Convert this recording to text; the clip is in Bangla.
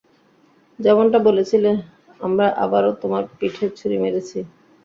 যেমনটা বলেছিলে, আমরা আবারও তোমার পিঠে ছুরি মেরেছি।